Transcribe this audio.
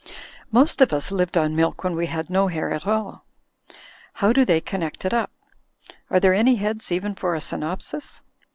Most of 226 THE FLYING INN us lived on milk when we had no hair at all. How do they connect it up? Are there any heads even for a synopsis?